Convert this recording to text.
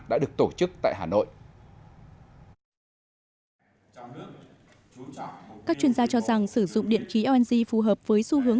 đã được tổ chức tại hà nội các chuyên gia cho rằng sử dụng điện khí lng phù hợp với xu hướng